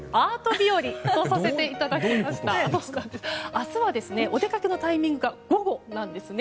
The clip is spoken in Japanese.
明日はお出かけのタイミングが午後なんですね。